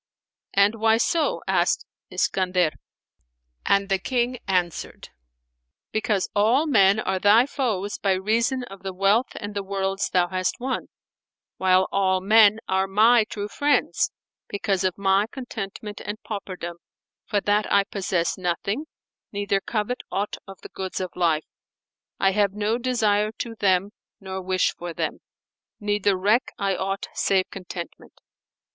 "And why so?" asked Iskandar, and the King answered, "Because all men are thy foes by reason of the wealth and the worlds thou hast won: while all men are my true friends, because of my contentment and pauperdom, for that I possess nothing, neither covet aught of the goods of life; I have no desire to them nor wish for them, neither reck I aught save contentment."